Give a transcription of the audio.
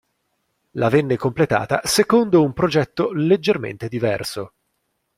La venne completata secondo un progetto leggermente diverso.